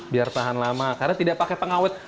biar tahan lama karena tidak pakai pengawet